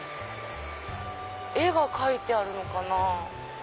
絵が描いてあるのかな？